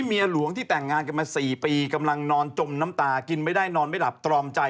เมียหลวงที่แต่งงานกันมา๔ปีกำลังนอนจมน้ำตากินไม่ได้นอนไม่หลับตรอมใจ